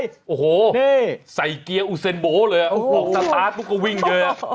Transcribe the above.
นี่โอ้โหใส่เกียร์อุเดรนโบ๋เลยออกสตาร์ทก็วิ่งเยอะ